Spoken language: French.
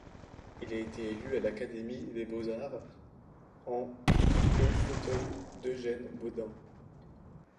Il a été élu à l'Académie des beaux-arts en au fauteuil d’Eugène Beaudouin.